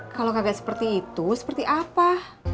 kalau kagak seperti itu seperti apa